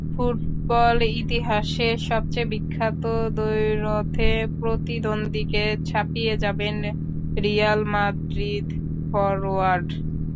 Football ইতিহাসের সবচেয়ে বিখ্যাত দ্বৈরথে প্রতিদ্বন্দ্বীকে ছাপিয়ে যাবেন রিয়াল মাদ্রিদ ফরোয়ার্ড।